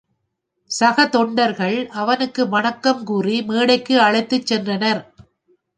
சக தொண்டர்கள் அவனுக்கு வணக்கம் கூறி மேடைக்கு அழைத்துச் சென்றனர்.